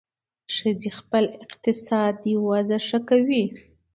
ښځې خپل اقتصادي وضعیت ښه کوي.